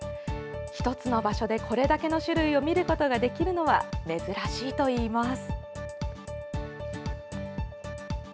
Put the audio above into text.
１つの場所で、これだけの種類を見ることができるのは珍しいといいます。